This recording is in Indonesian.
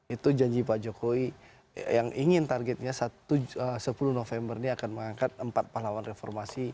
itu janji pak jokowi yang ingin targetnya sepuluh november ini akan mengangkat empat pahlawan reformasi